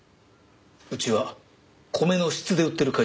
うちは米の質で売ってる会社です。